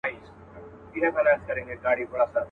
ډېر پخوا سره ټول سوي ډېر مرغان وه.